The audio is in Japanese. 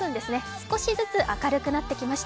少しずつ明るくなってきました。